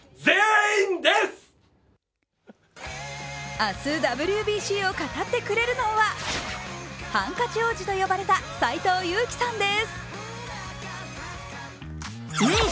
明日、ＷＢＣを語ってくれるのは、ハンカチ王子と呼ばれた斎藤佑樹さんです。